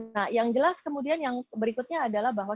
nah yang jelas kemudian yang berikutnya adalah bahwa